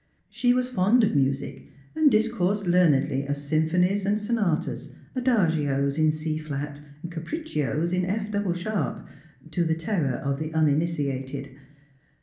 She was fond of music and discoursed learnedly of symphonies and sonatas, adagios in flat and capriccios in F double sharp, to the terror of the uninitiated.